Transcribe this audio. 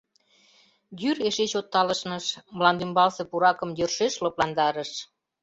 Йӱр эше чот талышныш, мландӱмбалсе пуракым йӧршеш лыпландарыш.